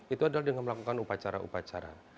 itu adalah dengan melakukan upacara upacara